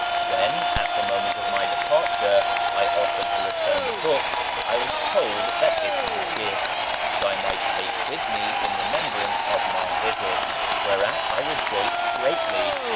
When, at the moment of my departure, I offered to return the book, I was told that it was a gift which I might take with me in remembrance of my visit; whereat I rejoiced greatly.